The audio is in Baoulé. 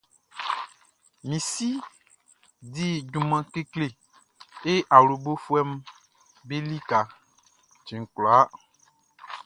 Min si di junman kekle e awlobofuɛʼm be lika cɛn kwlakwla.